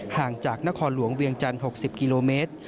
ห่างจากนครหลวงเวียงจันทร์๖๐กิโลเมตร